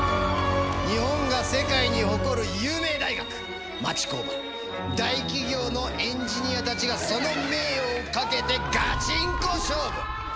日本が世界に誇る有名大学町工場大企業のエンジニアたちがその名誉をかけてガチンコ勝負！